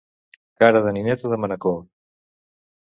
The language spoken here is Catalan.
Cara de nineta de Manacor.